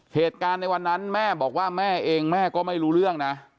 เหตุการณ์ในวันนั้นแม่บอกว่าแม่เองแม่ก็ไม่รู้เรื่องนะ